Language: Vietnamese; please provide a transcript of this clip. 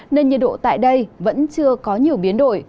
nên nhiệt độ tại đây vẫn chưa có nhiều biến đổi